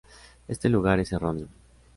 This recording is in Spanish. Este lugar es erróneo.